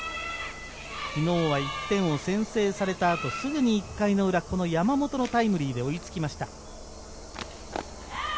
昨日は１点を先制された後、すぐに１回の裏、山本のタイムリーで追いつきました。